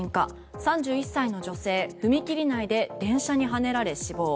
３１歳の女性踏切内で電車にはねられ死亡。